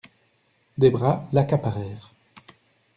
Des bras l'accaparèrent.